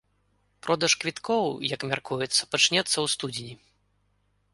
Продаж квіткоў, як мяркуецца, пачнецца ў студзені.